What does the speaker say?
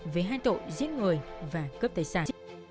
vì hai tội giết người và cướp tài sản